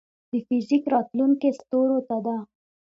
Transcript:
د فزیک راتلونکې ستورو ته ده.